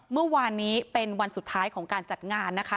เมื่อวานนี้เป็นวันสุดท้ายของการจัดงานนะคะ